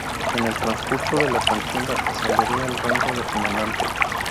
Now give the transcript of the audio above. En el transcurso de la contienda ascendería al rango de comandante.